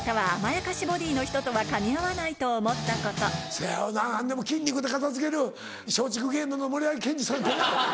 せやよな何でも筋肉で片付ける松竹芸能の森脇健児さんってな。